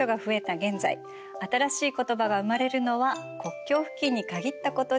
現在新しい言葉が生まれるのは国境付近に限ったことではありません。